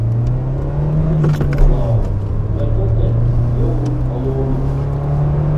Изакәызаалак лакьакьак иоур ҟаломызт.